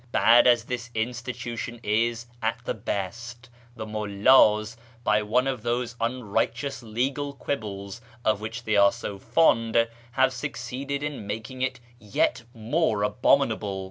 Bad as this institution is at the best, the mullds, by one of those unrighteous legal quibbles of which they are so fond, have succeeded in making it yet more abominable.